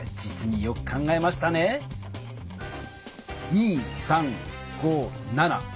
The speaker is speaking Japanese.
２３５７。